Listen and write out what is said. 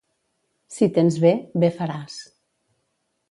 Si tens bé, bé faràs.